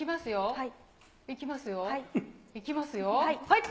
はい。